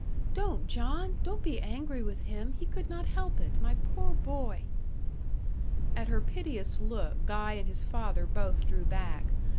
"Don't, John! Don't be angry with him. He could not help it, my poor boy!" At her piteous look Guy and his father both drew back.